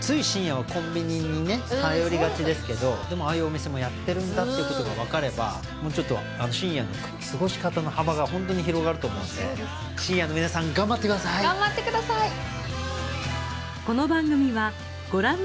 深夜はコンビニにね頼りがちですけどでもああいうお店もやってるんだっていうことが分かればもうちょっと深夜の過ごし方の幅がホントに広がると思うんで深夜の皆さん頑張ってください頑張ってください